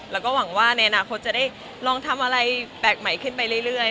แล้วก็หวังว่าในอนาคตจะได้ลองทำอะไรแปลกใหม่ขึ้นไปเรื่อย